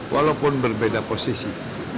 walaupun berbeda posisi